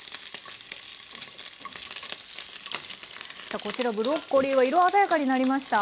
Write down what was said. さあこちらブロッコリーは色鮮やかになりました。